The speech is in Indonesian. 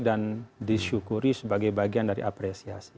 dan disyukuri sebagai bagian dari apresiasi